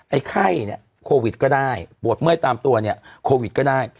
ไอ้ไข้โควิดก็ได้ปวดเมื่อยตามตัวโควิดก็ได้